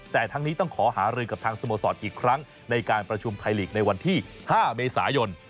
แต่ทั้งนี้ต้องขอหารือกับทางสโมสรอีกครั้งในการประชุมไทยลีกในวันที่๕เมษายน